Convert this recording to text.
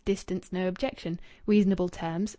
Distance no objection. Reasonable terms.